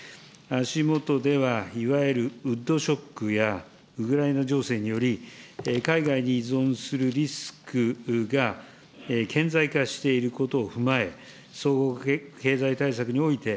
足下では、いわゆるウッドショックやウクライナ情勢により、海外に依存するリスクが顕在化していることを踏まえ、総合経済対策において、